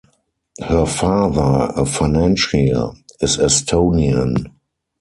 Her father, a financier, is Estonian.